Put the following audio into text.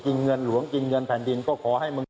เงินหลวงกินเงินแผ่นดินก็ขอให้มึง